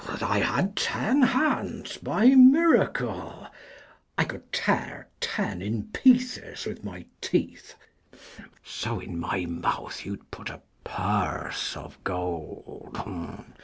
Oh, that I had ten hands by miracle ! I could tear ten in pieces with my teeth, 35 So in my mouth you'ld put a purse of gold.